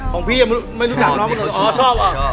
ของพี่ยังไม่รู้ชอบโอ้วชอบ